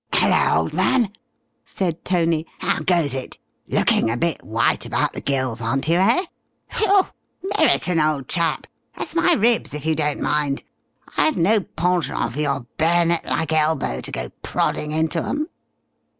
"Hello, old man!" said Tony. "How goes it? Lookin' a bit white about the gills, aren't you, eh?... Whew! Merriton, old chap, that's my ribs, if you don't mind. I've no penchant for your bayonet like elbow to go prodding into 'em!"